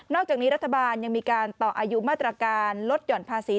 จากนี้รัฐบาลยังมีการต่ออายุมาตรการลดหย่อนภาษี